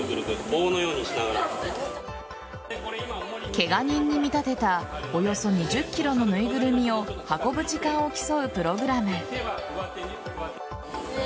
ケガ人に見立てたおよそ２０ｋｇの縫いぐるみを運ぶ時間を競うプログラム。